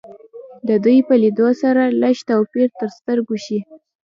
د دوی په لیدو سره لږ توپیر تر سترګو شي